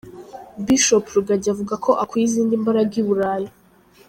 Bishop Rugagi avuga ko akuye izindi mbaraga i burayi